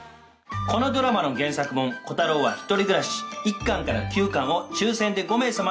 このドラマの原作本『コタローは１人暮らし』１巻から９巻を抽選で５名様にプレゼントします。